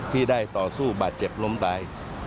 ที่ได้ต่อสู้บาดเจ็บล้มตาย